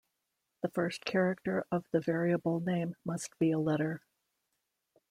The first character of the variable name must be a letter.